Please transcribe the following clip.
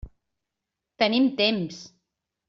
Tenim temps.